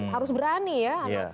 harus berani ya